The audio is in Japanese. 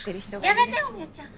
やめてお姉ちゃん！